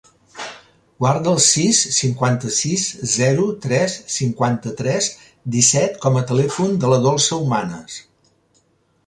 Guarda el sis, cinquanta-sis, zero, tres, cinquanta-tres, disset com a telèfon de la Dolça Humanes.